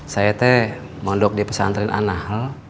saya teh mondok di pesantren anahal